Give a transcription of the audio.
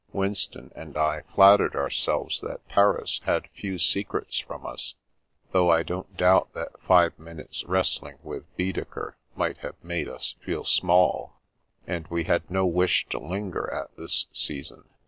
Winston and I flattered ourselves that Paris had few secrets from us (though I don't doubt that five minutes' wrestling with Baedeker might have made us feel small), and we had no wish to linger at this season.